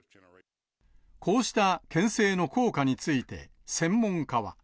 こうしたけん制の効果について、専門家は。